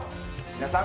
皆さん